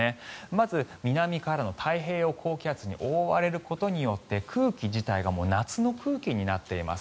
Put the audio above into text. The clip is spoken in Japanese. まず、南からの太平洋高気圧に覆われることによって空気自体が夏の空気になっています。